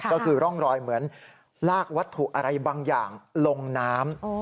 ก็คือร่องรอยเหมือนลากวัตถุอะไรบางอย่างลงน้ำ